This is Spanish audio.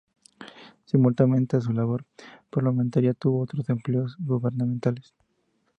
Simultáneamente a su labor parlamentaria, tuvo otros empleos gubernamentales.